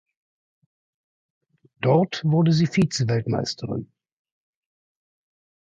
Dort wurde sie Vizeweltmeisterin.